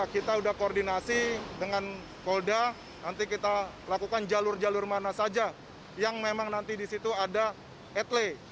kita udah koordinasi dengan kolda nanti kita lakukan jalur jalur mana saja yang memang nanti disitu ada etle